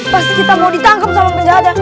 pasti kita mau ditangkep sama penjahatnya